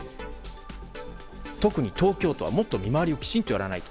特に東京都はもっと見回りをきちんとやらないと。